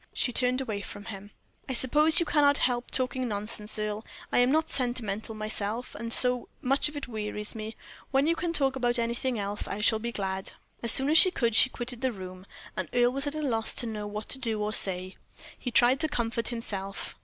She turned away from him. "I suppose you cannot help talking nonsense, Earle? I am not sentimental myself, and so much of it wearies me. When you can talk about anything else I shall be glad." As soon as she could she quitted the room, and Earle was at a loss to know what to do or say. He tried to comfort himself.